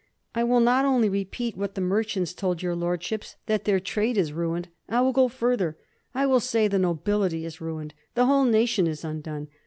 I will not only repeat what the merchants told your Lord ships — that their trade is ruined — I will go further; I will say the nobility is ruined, the whole nation is undone.